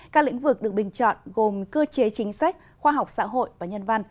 các lĩnh vực được bình chọn gồm cơ chế chính sách khoa học xã hội và nhân văn